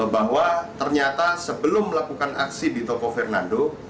bahwa ternyata sebelum melakukan aksi di toko fernando